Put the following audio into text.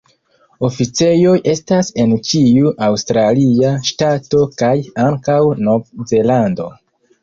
Oficejoj estas en ĉiu aŭstralia ŝtato kaj ankaŭ Nov-Zelando.